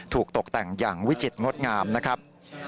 ตกแต่งอย่างวิจิตรงดงามนะครับ